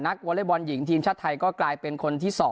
วอเล็กบอลหญิงทีมชาติไทยก็กลายเป็นคนที่๒